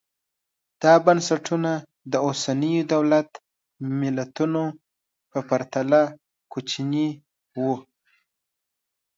دا بنسټونه د اوسنیو دولت ملتونو په پرتله کوچني وو